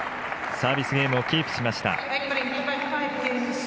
サービスゲームをキープしました。